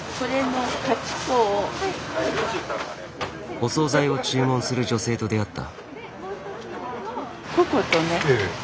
お総菜を注文する女性と出会った。